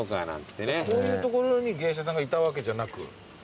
こういう所に芸者さんがいたわけじゃなくその後？